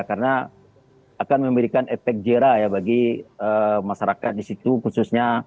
karena akan memberikan efek jera bagi masyarakat di situ khususnya